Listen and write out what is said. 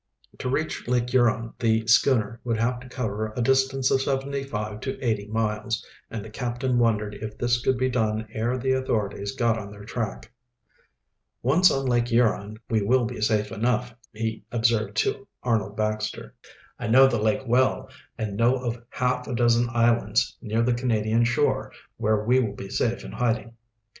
To reach Lake Huron the schooner would have to cover a distance of seventy five to eighty miles, and the captain wondered if this could be done ere the authorities got on their track. "Once on Lake Huron we will be safe enough," he observed to Arnold Baxter. "I know the lake well, and know of half a dozen islands near the Canadian shore where we will be safe in hiding."